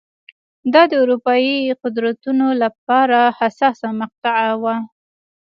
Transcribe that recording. دا د اروپايي قدرتونو لپاره حساسه مقطعه وه.